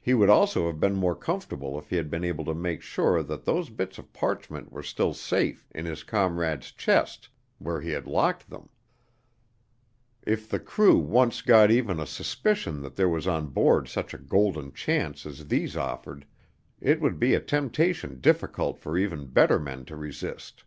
He would also have been more comfortable if he had been able to make sure that those bits of parchment were still safe in his comrade's chest, where he had locked them. If the crew once got even a suspicion that there was on board such a golden chance as these offered, it would be a temptation difficult for even better men to resist.